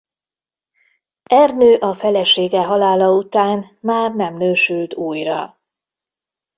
Ernő a felesége halála után már nem nősült újra.